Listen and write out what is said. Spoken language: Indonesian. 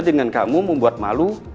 dengan kamu membuat malu